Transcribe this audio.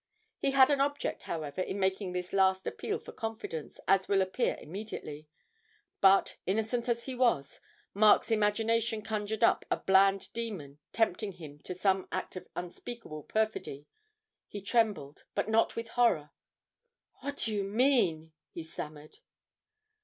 He had an object, however, in making this last appeal for confidence, as will appear immediately; but, innocent as it was, Mark's imagination conjured up a bland demon tempting him to some act of unspeakable perfidy; he trembled but not with horror. 'What do you mean?' he stammered.